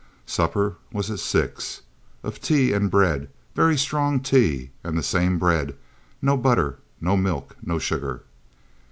Supper was at six, of tea and bread, very strong tea and the same bread—no butter, no milk, no sugar.